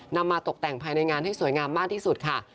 มาตกแต่งภายในงานให้สวยงามมากที่สุดค่ะ